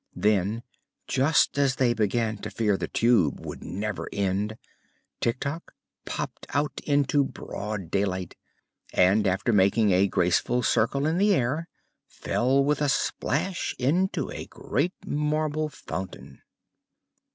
Then, just as they began to fear the Tube would never end, Tik Tok popped out into broad daylight and, after making a graceful circle in the air, fell with a splash into a great marble fountain.